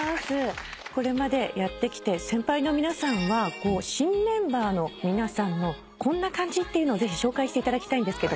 これまでやってきて先輩の皆さんは新メンバーの皆さんのこんな感じっていうのを紹介していただきたいんですけど。